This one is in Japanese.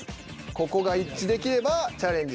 ここが一致できればチャレンジ